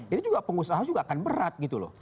ini juga pengusaha juga akan berat gitu loh